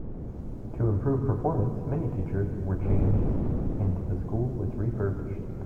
To improve performance, many teachers were changed and the school was refurbished.